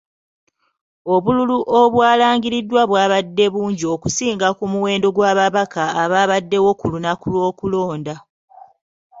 Obululu obwalangiriddwa bwabadde bungi okusinga ku muwendo gw’ababaka ababaddewo ku lunaku lw’okulonda .